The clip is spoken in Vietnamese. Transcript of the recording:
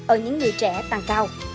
ở những người trẻ tăng cao